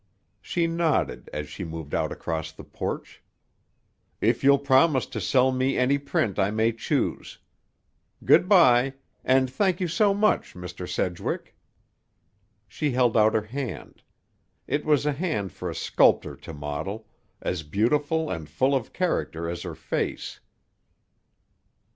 She nodded as she moved out across the porch. "If you'll promise to sell me any print I may choose. Good by. And thank you so much, Mr. Sedgwick!" She held out her hand. It was a hand for a sculptor to model, as beautiful and full of character as her face.